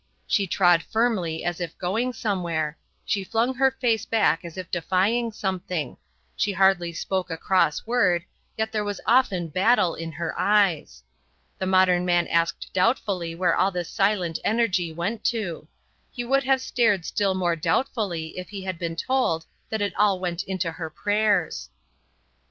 She trod firmly as if going somewhere; she flung her face back as if defying something; she hardly spoke a cross word, yet there was often battle in her eyes. The modern man asked doubtfully where all this silent energy went to. He would have stared still more doubtfully if he had been told that it all went into her prayers.